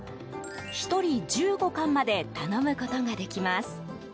１人、１５貫まで頼むことができます。